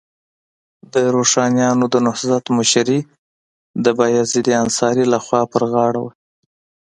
د روښانیانو د نهضت مشري د بایزید انصاري لخوا پر غاړه وه.